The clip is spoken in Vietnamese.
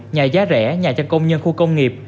nhà giá rẻ nhà cho công nhân khu công nghiệp